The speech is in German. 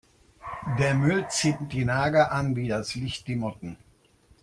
Der Müll zieht die Nager an wie das Licht die Motten.